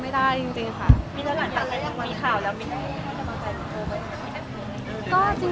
มีเรื่องราวหลังจากนั้นมีข่าวแล้วมินไนะ